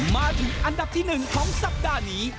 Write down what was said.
มาถึงอันดับที่๑ของสัปดาห์นี้